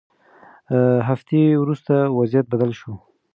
هفتې وروسته وضعیت بدل شو.